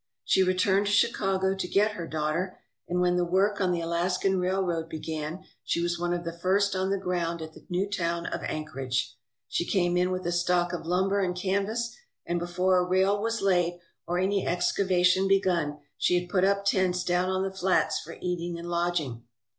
She returned to Chicago to get her daughter, and when the work on the Alaskan Rail road began she was one of the first on the ground at the new town of Anchorage. She came in with a stock of lumber and canvas, and before a rail was laid or any excavation begun she had put up tents down on the flats for eating and lodging.